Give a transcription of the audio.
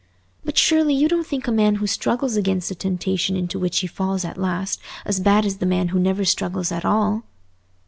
"But surely you don't think a man who struggles against a temptation into which he falls at last as bad as the man who never struggles at all?"